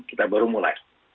kita baru mulai